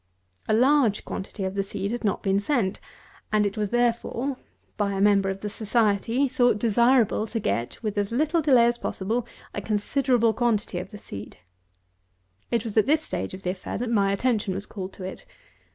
A large quantity of the seed had not been sent: and it was therefore, by a member of the Society, thought desirable to get, with as little delay as possible, a considerable quantity of the seed. 214. It was in this stage of the affair that my attention was called to it.